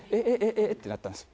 えっ？ってなったんですよ。